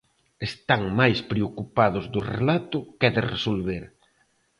Están máis preocupados do relato que de resolver.